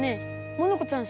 モノコちゃん